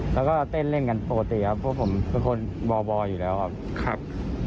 แล้วก็เต้นเล่นกันปกติครับเพราะผมเป็นคนบ่ออยู่แล้วครับ